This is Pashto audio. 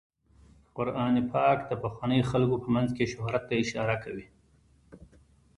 قرآن پاک د پخوانیو خلکو په مینځ کې شهرت ته اشاره کوي.